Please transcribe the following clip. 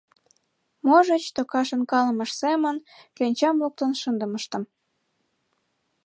Можыч, тока шонкалымыж семын, кленчам луктын шындымыштым.